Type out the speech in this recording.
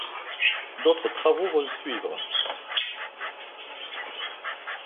D'autres travaux vont suivre.